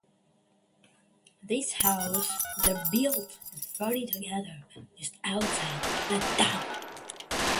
These houses were built tightly together just outside the town.